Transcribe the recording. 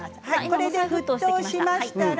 これで沸騰しましたら